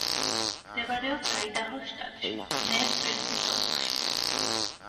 მდებარეობს აიდაჰოს შტატში, ნეზ-პერსის ოლქში.